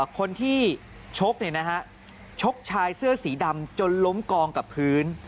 คนที่ชกชกชายเสื้อสีดำจนล้มกองกับพื้น